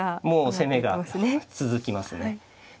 もう攻めが続きますね。